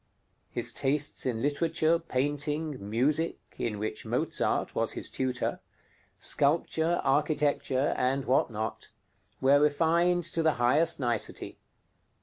His tastes in literature, painting, music (in which Mozart was his tutor), sculpture, architecture, and what not, were refined to the highest nicety.